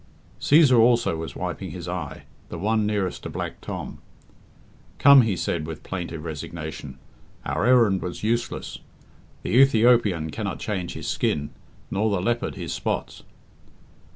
Cæsar also was wiping his eye the one nearest to Black Tom. "Come," he said with plaintive resignation, "our errand was useless. The Ethiopian cannot change his skin, nor the leopard his spots."